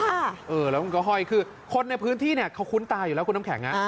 แล้วมันก็ห้อยคือคนในพื้นที่เนี่ยเขาคุ้นตาอยู่แล้วคุณน้ำแข็ง